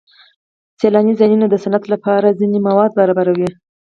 سیلاني ځایونه د صنعت لپاره ځینې مواد برابروي.